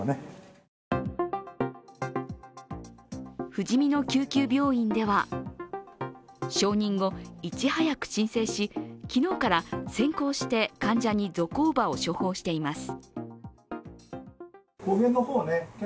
ふじみの救急病院では承認後、いち早く申請し昨日から先行して患者にゾコーバを処方しています。